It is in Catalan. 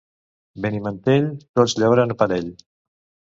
Benimantell, tots llauren a parell.